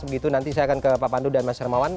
begitu nanti saya akan ke pak pandu dan mas hermawan